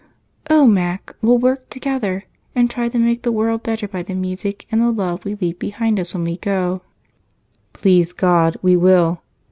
"Oh, Mac! We'll work together and try to make the world better by the music and the love we leave behind us when we go." "Please God, we will!"